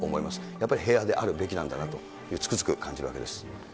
やはり平和であるべきなんだなと、つくづく感じるわけです。